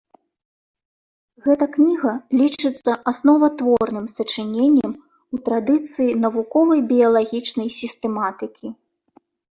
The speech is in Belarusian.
Гэта кніга лічыцца асноватворным сачыненнем у традыцыі навуковай біялагічнай сістэматыкі.